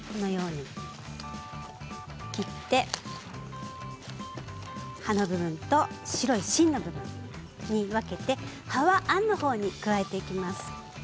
切って葉の部分と白い芯の部分に分けて葉はあんのほうに加えていきます。